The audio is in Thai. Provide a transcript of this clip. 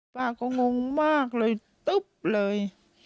ป้าก็งงมากเลยตึ๊บเลย